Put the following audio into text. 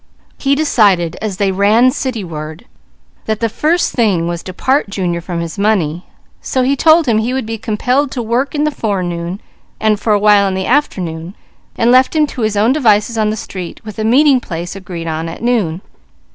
He decided as they ran cityward that the first thing was to part Junior from his money, so he told him he would be compelled to work in the forenoon, and for a while in the afternoon, and left him to his own devices on the street, with a meeting place agreed on at noon.